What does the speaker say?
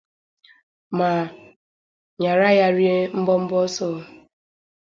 ma nyàrá ya rie mbọmbọ ọsọ